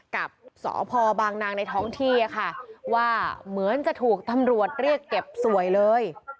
กับสพบางนางในท้องที่ค่ะว่าเหมือนจะถูกตำรวจเรียกเก็บสวยเลย